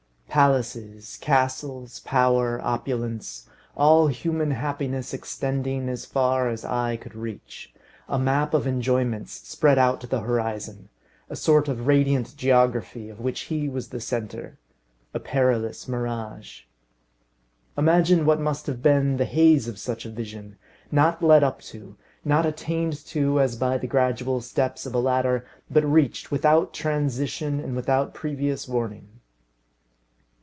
Palaces, castles, power, opulence, all human happiness extending as far as eye could reach; a map of enjoyments spread out to the horizon; a sort of radiant geography of which he was the centre. A perilous mirage! Imagine what must have been the haze of such a vision, not led up to, not attained to as by the gradual steps of a ladder, but reached without transition and without previous warning.